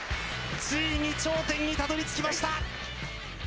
ついに頂点にたどり着きました。